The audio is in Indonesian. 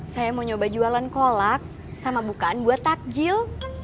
saya mau coba jualan kolak sama bukaan buat takjil